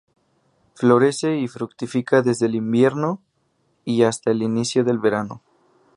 Florece y fructifica desde el invierno y hasta el inicio del verano.